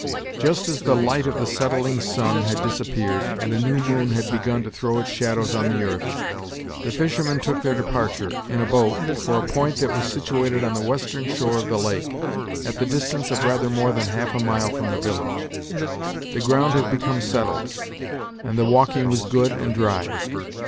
Just as the light of the settling sun had disappeared, and a new moon had begun to throw its shadows on the earth, the fisher men took their departure, in a boat, for a point that was situated on the western shore of the lake, at the distance of rather more than half a mile from the village. The ground had become settled, and the walking was good and dry.